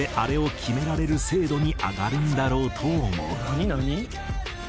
「何？何？」